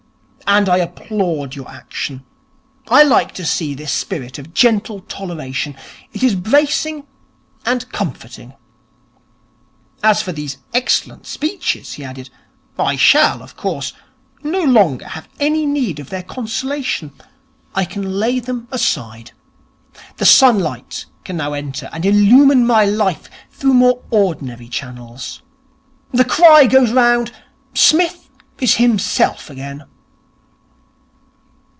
And I applaud your action. I like to see this spirit of gentle toleration. It is bracing and comforting. As for these excellent speeches,' he added, 'I shall, of course, no longer have any need of their consolation. I can lay them aside. The sunlight can now enter and illumine my life through more ordinary channels. The cry goes round, "Psmith is himself again."'